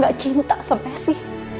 gak cinta sama esi